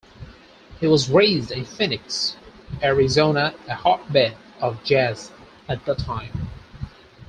He was raised in Phoenix, Arizona, a hotbed of jazz at the time.